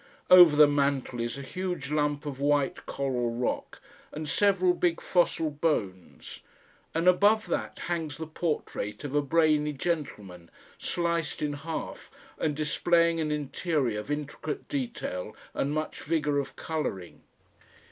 Over the mantel is a huge lump of white coral rock and several big fossil bones, and above that hangs the portrait of a brainy gentleman, sliced in half and displaying an interior of intricate detail and much vigour of coloring.